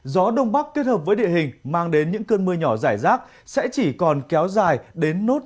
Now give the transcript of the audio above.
gió đông bắc kết hợp với địa hình mang đến những cơn mưa nhỏ rải rác sẽ chỉ còn kéo dài đến nốt